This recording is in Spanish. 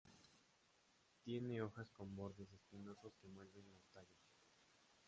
Tiene hojas con bordes espinosos que envuelven los tallos.